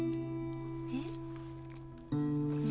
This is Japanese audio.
えっ？